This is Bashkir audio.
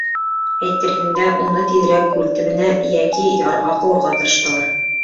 Әйтерһең дә, уны тиҙерәк күл төбөнә, йәки ярға ҡыуырға тырыштылар.